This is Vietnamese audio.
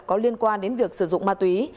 có liên quan đến việc sử dụng ma túy